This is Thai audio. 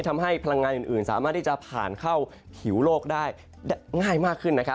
ทำให้พลังงานอื่นสามารถที่จะผ่านเข้าผิวโลกได้ง่ายมากขึ้น